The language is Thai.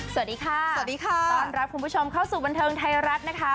สวัสดีค่ะสวัสดีค่ะต้อนรับคุณผู้ชมเข้าสู่บันเทิงไทยรัฐนะคะ